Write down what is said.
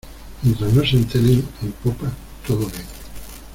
mientras no se enteren en popa, todo bien.